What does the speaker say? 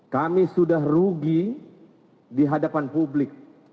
kami sudah rugi di hadapan publik